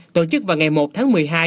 tổ chức vào ngày một tháng một mươi hai